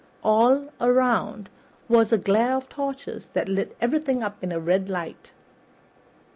All around was a glare of torches that lit everything up with a red light.